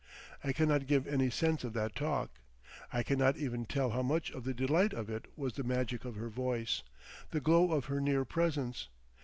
I cannot give any sense of that talk, I cannot even tell how much of the delight of it was the magic of her voice, the glow of her near presence.